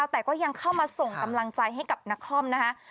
แต่ก็ยังเข้ามาส่งกำลังใจให้กับนครนะคะ